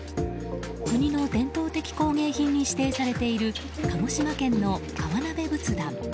国の伝統的工芸品に指定されている鹿児島県の川辺仏壇。